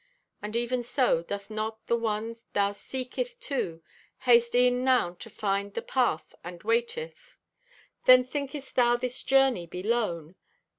And even so, doth not the one thou seeketh too, haste e'en now to find the path and waiteth? "Then thinkest thou this journey be lone?